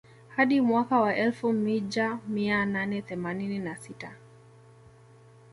Hadi mwaka wa elfu mija mia nane themanini na sita